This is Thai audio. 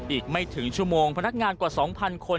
อีกไม่ถึงชั่วโมงพนักงานกว่า๒๐๐คน